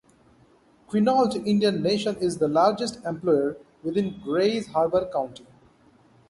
Quinault Indian Nation is the largest employer within Grays Harbor County.